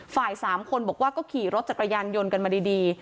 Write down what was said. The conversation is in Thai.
๓คนบอกว่าก็ขี่รถจักรยานยนต์กันมาดี